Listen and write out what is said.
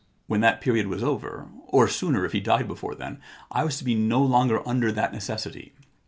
When that period was over, or sooner if he died before then, I was to be no longer under that necessity.